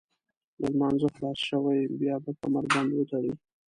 له لمانځه خلاص شوئ بیا به کمربند وتړئ.